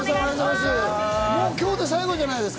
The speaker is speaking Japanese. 今日で最後じゃないですか？